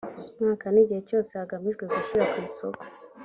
mwaka n igihe cyose hagamijwe gushyira ku isoko